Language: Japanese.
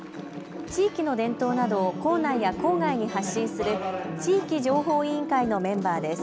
地域の伝統などを校内や校外に発信する地域情報委員会のメンバーです。